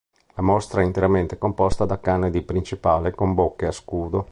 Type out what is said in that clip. La mostra è interamente composta da canne di Principale con bocche "a scudo".